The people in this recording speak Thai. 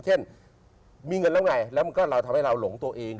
เช่นมีเงินแล้วไงแล้วมันก็เราทำให้เราหลงตัวเอง